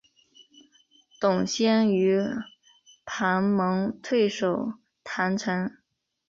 董宪与庞萌退守郯城。